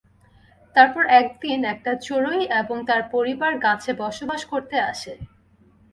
তারপর একদিন, একটা চড়ুই এবং তার পরিবার গাছে বসবাস করতে আসে।